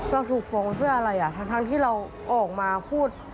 เราถูกฟ้องเพื่ออะไรอ่ะทั้งที่เราออกมาพูด